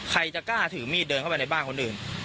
ใครจะกล้าถือมีดเดินเข้าไปในบ้านคนอื่น